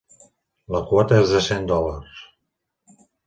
La quota és de cent dòlars.